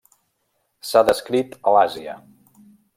S'ha descrit a l'Àsia.